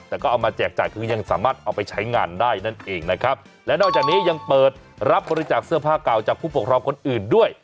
แต่ก็เอามาแจกจ่ายคือยังสามารถเอาไปใช้งานได้นั่นเองนะครับและนอกจากนี้ยังเปิดรับบริจาคเสื้อผ้าเก่าจากผู้ปกครองคนอื่นด้วย